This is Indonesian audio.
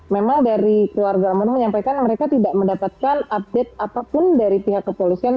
memang dari keluarga mono menyampaikan mereka tidak mendapatkan update apapun dari pihak kepolisian